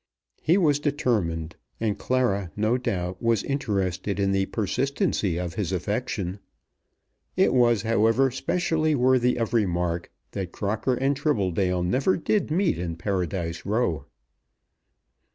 He was determined, and Clara, no doubt, was interested in the persistency of his affection. It was, however, specially worthy of remark that Crocker and Tribbledale never did meet in Paradise Row.